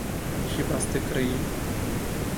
Хіба з тих країв?